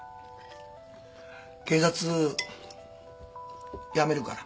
警察辞めるから。